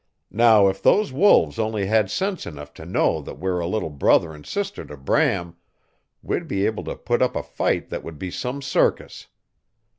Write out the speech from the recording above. Now if those wolves only had sense enough to know that we're a little brother and sister to Bram, we'd be able to put up a fight that would be some circus.